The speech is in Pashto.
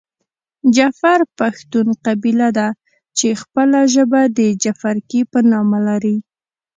جعفر پښتون قبیله ده چې خپله ژبه د جعفرکي په نامه لري .